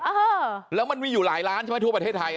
เออแล้วมันมีอยู่หลายล้านใช่ไหมทั่วประเทศไทย